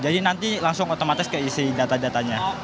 jadi nanti langsung otomatis keisi data datanya